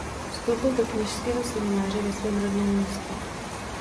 Vstoupil do kněžského semináře ve svém rodném městě.